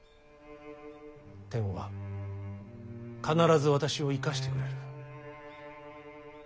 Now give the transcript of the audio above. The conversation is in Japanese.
天は必ず私を生かしてくれる。